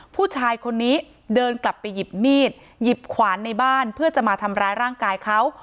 ผู้ชายคนนี้เดินกลับไปหยิบมีดหยิบขวานในบ้านเพื่อจะมาทำร้ายร่างกายเขา